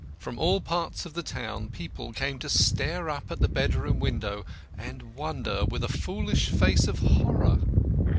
From all parts of the town people came to stare up at the bedroom window and wonder with a foolish face of horror.